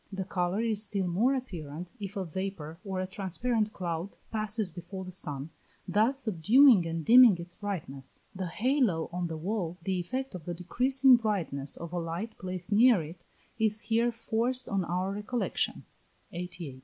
The colour is still more apparent if a vapour or a transparent cloud passes before the sun, thus subduing and dimming its brightness. The halo on the wall, the effect of the decreasing brightness of a light placed near it, is here forced on our recollection. (88.) 406.